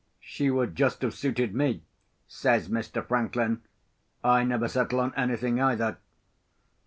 "She would just have suited me," says Mr. Franklin. "I never settle on anything either.